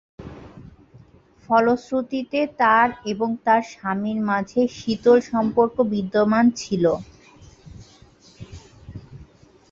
ফলশ্রুতিতে তার এবং তার স্বামীর মাঝে শীতল সম্পর্ক বিদ্যমান ছিল।